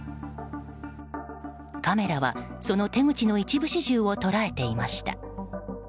カメラは、その手口の一部始終を捉えていました。